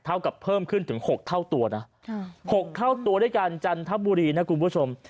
กับเพิ่มขึ้นถึง๖เท่าตัวนะ๖เท่าตัวด้วยกันจันทบุรีนะคุณผู้ชม